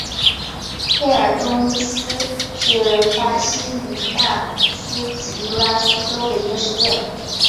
佩尔东伊斯是巴西米纳斯吉拉斯州的一个市镇。